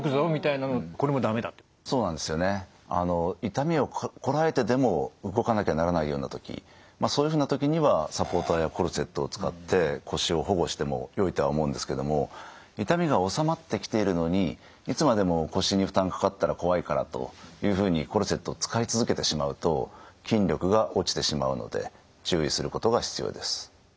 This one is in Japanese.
痛みをこらえてでも動かなきゃならないような時そういうふうな時にはサポーターやコルセットを使って腰を保護してもよいとは思うんですけども痛みが治まってきているのにいつまでも腰に負担かかったら怖いからというふうにコルセットを使い続けてしまうと筋力が落ちてしまうので注意することが必要です。